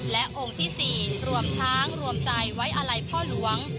และองค์ที่๔รวมช้างรวมใจไว้อาลัยพ่อหลวง